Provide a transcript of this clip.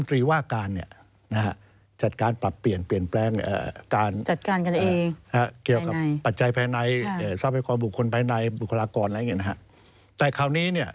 แต่คราวนี้เนี่ย